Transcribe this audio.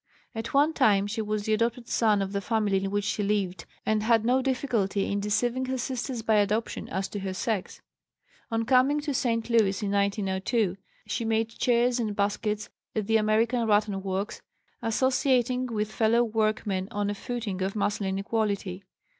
At one time she was the adopted son of the family in which she lived and had no difficulty in deceiving her sisters by adoption as to her sex. On coming to St. Louis in 1902 she made chairs and baskets at the American Rattan Works, associating with fellow workmen on a footing of masculine equality.